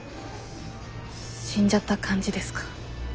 死んじゃった感じですか？